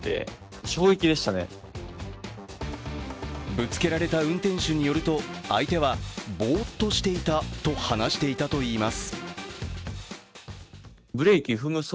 ぶつけられた運転手によると相手はぼーっとしていたと話していたといいます。